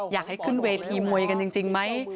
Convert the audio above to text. อยากให้ขึ้นเวทีมวยกันจริงไหม